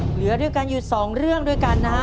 เหลือด้วยกันอยู่๒เรื่องด้วยกันนะฮะ